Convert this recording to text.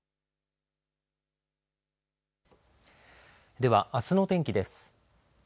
では、あすの天気です。